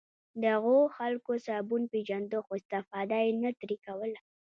دغو خلکو صابون پېژانده خو استفاده یې نه ترې کوله.